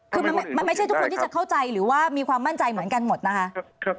คือมันไม่ใช่ทุกคนที่จะเข้าใจหรือว่ามีความมั่นใจเหมือนกันหมดนะคะ